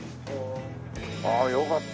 ああよかった